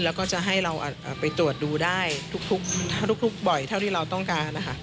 แล้วก็จะให้เราไปตรวจดูได้ทุกบ่อยเท่าที่เราต้องการนะคะ